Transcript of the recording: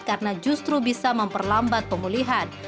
karena justru bisa memperlambat pemulihan